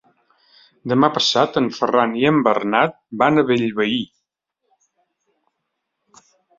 Demà passat en Ferran i en Bernat van a Bellvei.